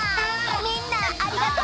みんなありがとう！